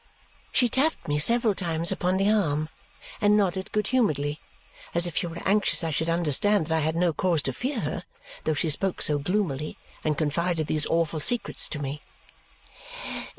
She tapped me several times upon the arm and nodded good humouredly as if she were anxious I should understand that I had no cause to fear her, though she spoke so gloomily, and confided these awful secrets to me.